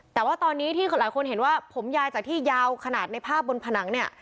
แต่ว่าตอนนี้ที่หลายคนเห็นว่าผมยายจากที่ยาวขนาดในภาพบนผนังเนี่ย